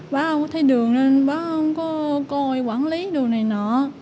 bà không có thấy đường nên bà không có coi quản lý đồ này nọ